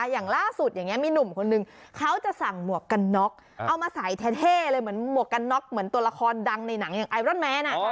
อย่างล่าสุดอย่างนี้มีหนุ่มคนนึงเขาจะสั่งหมวกกันน็อกเอามาใส่เท่เลยเหมือนหมวกกันน็อกเหมือนตัวละครดังในหนังอย่างไอรอนแมน